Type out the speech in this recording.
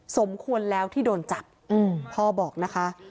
สมควรแล้วที่โดนจับพ่อบอกนะคะ